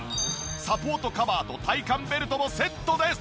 サポートカバーと体幹ベルトもセットです。